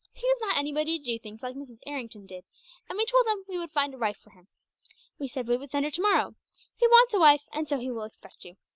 He has not anybody to do things like Mrs. Errington did, and we told him we would find a wife for him. We said we would send her to morrow. He wants a wife, and so he will expect you.